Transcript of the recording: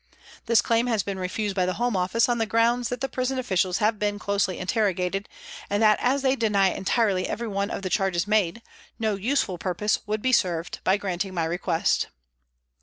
This claim has been refused by the Home Office on the grounds that the prison officials have been closely interrogated, and that as they deny entirely every one of the charges made, * no useful purpose would be served ' by granting my request.